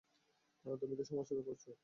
তুমি তো সমাজসেবা করছো।